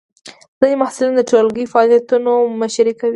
ځینې محصلین د ټولګی فعالیتونو مشري کوي.